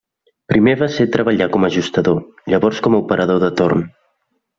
Primer va ser treballar com ajustador, llavors com a operador de torn.